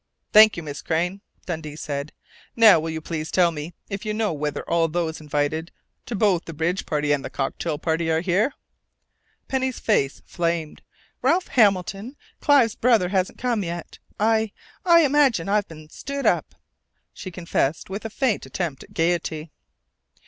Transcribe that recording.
"Thank you, Miss Crain," Dundee said. "Now will you please tell me, if you know, whether all those invited to both the bridge party and the cocktail party are here?" Penny's face flamed. "Ralph Hammond, Clive's brother, hasn't come yet.... I I rather imagine I've been 'stood up,'" she confessed, with a faint attempt at gayety.